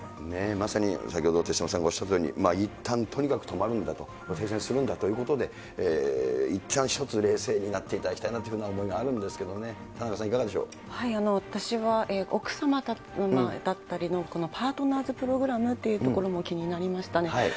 まさに先ほど、手嶋さんがおっしゃったように、いったんとにかく止まるんだと、停戦するんだということで、いったんひとつ、冷静になってもらいたいなと思うんですけれども、私は奥様だったりの、このパートナーズ・プログラムというところも気になりましたね。